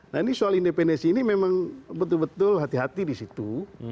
nah ini soal independensi ini memang betul betul hati hati di situ